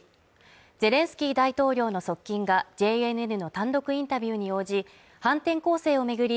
ゼレンスキー大統領の側近がＪＮＮの単独インタビューに応じ、反転攻勢を巡り